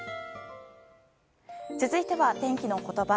続いては天気のことば。